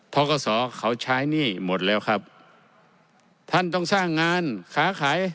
กศเขาใช้หนี้หมดแล้วครับท่านต้องสร้างงานค้าขาย